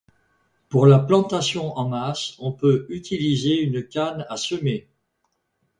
Pour la plantation en masse, on peut utiliser une canne à semer.